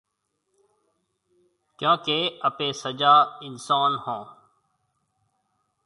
ڪيونڪي آپي سجا اِنسون هون۔